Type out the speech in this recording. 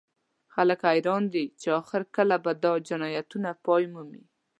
خلک حیران دي چې اخر کله به دا جنایتونه پای مومي